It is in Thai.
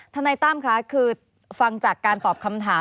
ทนายตั้มค่ะคือฟังจากการตอบคำถาม